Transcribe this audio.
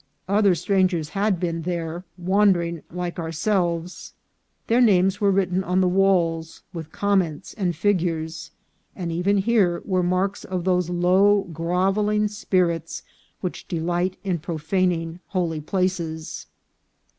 Other strangers had been there, won dering like ourselves. Their names were written on the walls, with comments and figures ; and even here were marks of those low, grovelling spirits which delight in profaning holy places.